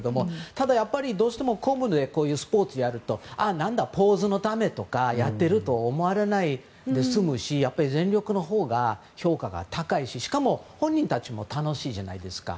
ただ、どうしても公務でこういうスポーツをやるとポーズのためにやっているのかと思われずに済むし全力のほうが評価が高いししかも本人たちも楽しいじゃないですか。